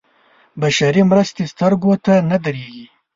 بشري مرستې سترګو ته نه درېږي.